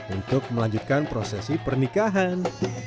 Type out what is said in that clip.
untuk melanjutkan prosesi pernikahan